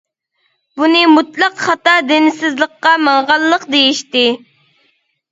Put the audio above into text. بۇنى مۇتلەق خاتا دىنسىزلىققا ماڭغانلىق دېيىشتى.